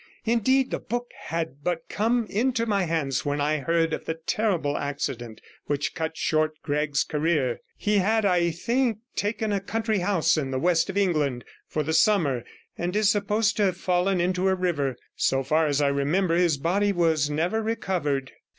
Indeed, the book had but come into my hands when I heard of the terrible accident which cut short Gregg's career. He had, I think, taken a country house in the West of England for the summer, and is supposed to have fallen into a river. So far as I remember, his body was never recovered.'